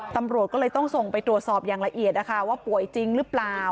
ตำรวจก็เลยต้องส่งไปตรวจสอบอย่างละเอียดนะคะว่าป่วยจริงหรือเปล่า